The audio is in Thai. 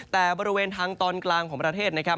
แต่บริเวณทางตอนกลางของประเทศนะครับ